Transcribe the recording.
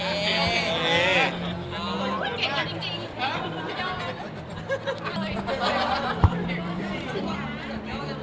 มันยอดทั้งประโยคเกิด